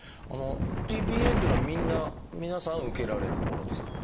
ｔ−ＰＡっていうのはみんな皆さん受けられるものですか？